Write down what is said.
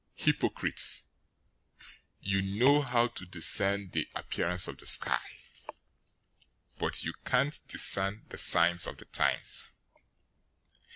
Hypocrites! You know how to discern the appearance of the sky, but you can't discern the signs of the times!